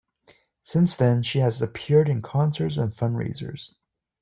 Since then she has appeared in concerts and fundraisers.